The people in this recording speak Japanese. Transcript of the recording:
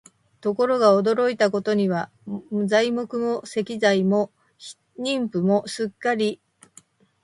ところが、驚いたことには、材木も石材も人夫もすっかりれいの商人のところへ取られてしまいました。タラス王は価を引き上げました。